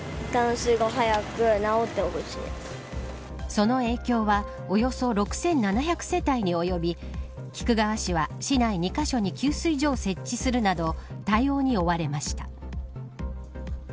その影響はおよそ６７００世帯に及び菊川市は市内２カ所に給水所を設置するなど対応に追われました。